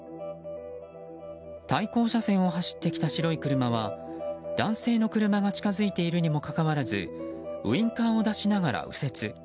対向車線を走ってきた白い車は男性の車が近づいているにもかかわらずウィンカーを出しながら右折。